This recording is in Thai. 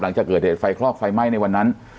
หลังจากเกิดเหตุไฟคลอกไฟไหม้ในวันนั้น